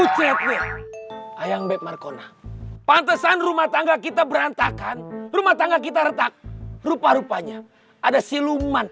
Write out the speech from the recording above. pantesan rumah tangga kita berantakan rumah tangga kita retak rupa rupanya ada siluman